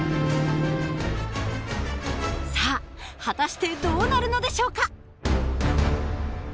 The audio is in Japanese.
さあ果たしてどうなるのでしょうか？